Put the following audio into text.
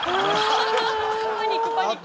パニックパニック。